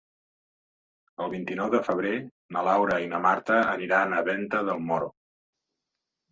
El vint-i-nou de febrer na Laura i na Marta aniran a Venta del Moro.